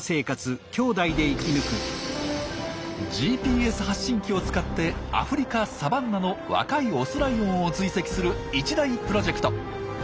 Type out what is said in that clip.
ＧＰＳ発信機を使ってアフリカ・サバンナの若いオスライオンを追跡する一大プロジェクト。